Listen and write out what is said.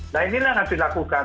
nah inilah yang harus dilakukan